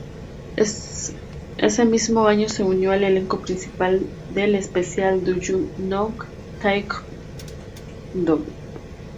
Ese mismo año se unió al elenco principal del especial "Do You Know Taekwondo?